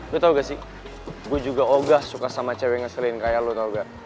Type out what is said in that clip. lu tahu gak sih gue juga oga suka sama cewek ngeselin kayak lo tau gak